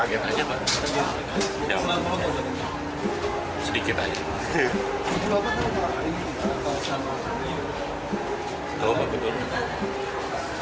ini bapak jendela pak